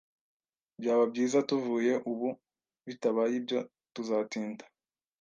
Byaba byiza tuvuye ubu, bitabaye ibyo tuzatinda